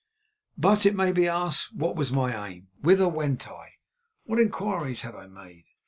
But, it may be asked, what was my aim, whither went I, what inquiries had I made?